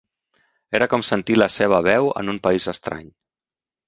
Era com sentir la seva veu en un país estrany.